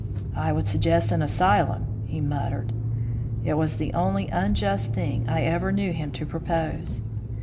"'I would suggest an asylum,' he muttered. It was the only unjust thing I ever knew him to propose.